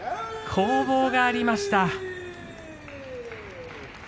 攻防がありました。